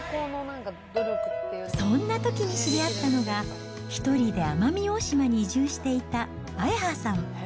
そんなときに知り合ったのが、１人で奄美大島に移住していたあやはさん。